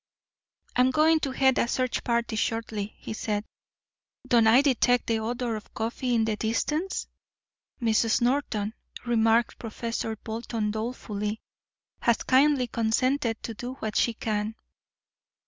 "I'm going to head a search party shortly," he said. "Don't I detect the odor of coffee in the distance?" "Mrs. Norton," remarked Professor Bolton dolefully, "has kindly consented to do what she can."